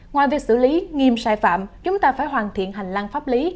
ngoài việc xử lý nghiêm sai phạm chúng ta phải hoàn thiện hành lang pháp lý